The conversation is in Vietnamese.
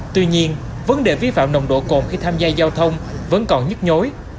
tuy nhiên vấn đề vi phạm nồng độ cồn khi tham gia giao thông vẫn còn nhức nhối